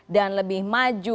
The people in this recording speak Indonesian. dan lebih maju